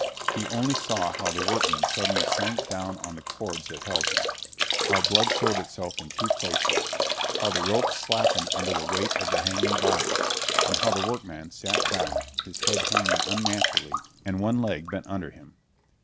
He only saw how the workman suddenly sank down on the cords that held him, how blood showed itself in two places, how the ropes slackened under the weight of the hanging body, and how the workman sat down, his head hanging unnaturally and one leg bent under him.